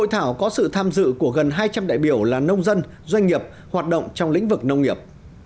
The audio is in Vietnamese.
được tham dự của gần hai trăm linh đại biểu là nông dân doanh nghiệp hoạt động trong lĩnh vực nông nghiệp